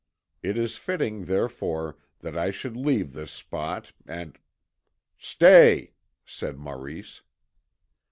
It is fitting, therefore, that I should leave this spot, and " "Stay," said Maurice.